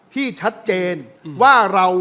ที่ชัดเจนว่าเรา